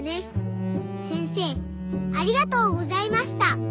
せんせいありがとうございました。